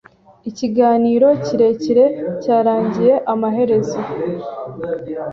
Ikiganiro kirekire cyarangiye amaherezo.